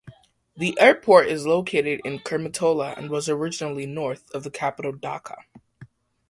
The airport is located in Kurmitola and was originally north of the capital Dhaka.